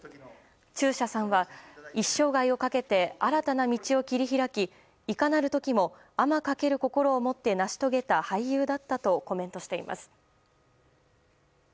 中車さんは、一生涯をかけて新たな道を切り開きいかなる時も天かける心を持って成し遂げた俳優だったとコメントしています。